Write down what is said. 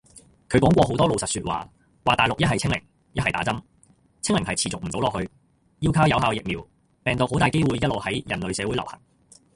佢講過好多老實說話，話大陸一係清零一係打針，清零係持續唔到落去，要靠有效疫苗，病毒好大機會一路喺人類社會流行